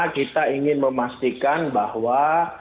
kita ingin memastikan bahwa